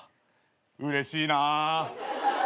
うれしいな。